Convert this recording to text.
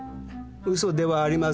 ウソではありません。